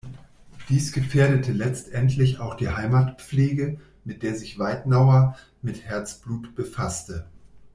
Dies gefährdete letztendlich auch die Heimatpflege, mit der sich Weitnauer mit Herzblut befasste.